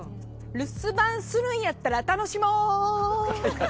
「留守番するんやったら楽しもう！」